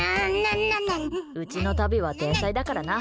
うちのタビは天才だからな。